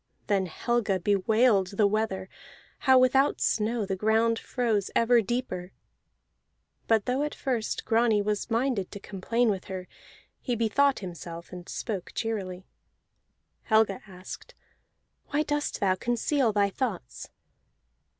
Then Helga bewailed the weather, how without snow the ground froze ever deeper: but though at first Grani was minded to complain with her, he bethought himself and spoke cheerily. Helga asked: "Why dost thou conceal thy thoughts?"